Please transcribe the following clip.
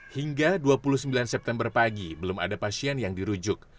hingga dua puluh sembilan september pagi belum ada pasien yang dirujuk